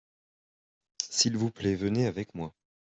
s'il vous plait venez avec moi.